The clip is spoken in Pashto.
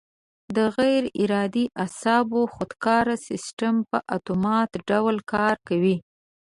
د غیر ارادي اعصابو خودکاره سیستم په اتومات ډول کار کوي.